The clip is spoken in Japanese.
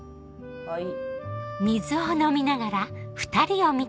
はい。